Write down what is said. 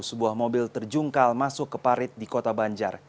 sebuah mobil terjungkal masuk ke parit di kota banjar